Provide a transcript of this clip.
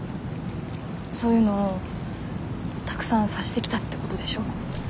そういうのをたくさん察してきたってことでしょ？